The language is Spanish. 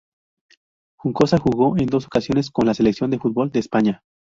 Juncosa jugó en dos ocasiones con la Selección de fútbol de España.